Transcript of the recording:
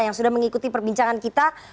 yang sudah mengikuti perbincangan kita